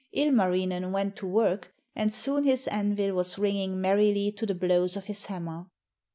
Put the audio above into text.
Ilmarinen went to work and soon his anvil was ringing merrily to the blows of his hammer.